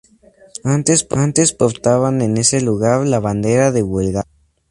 Antes portaban en ese lugar la bandera de Bulgaria.